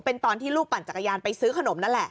เป็นตอนที่ลูกปั่นจักรยานไปซื้อขนมนั่นแหละ